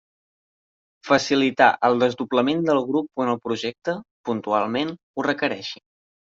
Facilitar el desdoblament del grup quan el projecte, puntualment, ho requereixi.